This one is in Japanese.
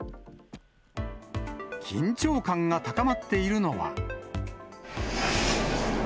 緊張感が高まっているのは。